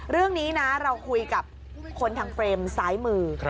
เรื่องนี้นะเราคุยกับคนทางเฟรมซ้ายมือ